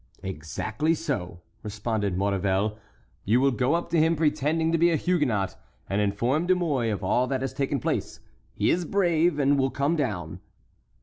"Exactly so!" responded Maurevel. "You will go up to him pretending to be a Huguenot, and inform De Mouy of all that has taken place; he is brave, and will come down."